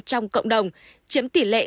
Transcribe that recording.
trong cộng đồng chiếm tỷ lệ tám mươi